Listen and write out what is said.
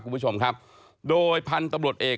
คุณผู้ชมครับโดยพันธุ์ตำรวจเอก